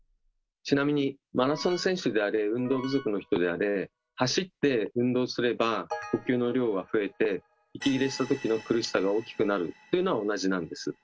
ちなみにマラソン選手であれ運動不足の人であれ走って運動すれば呼吸の量は増えて息切れしたときの苦しさが大きくなるというのは同じなんです。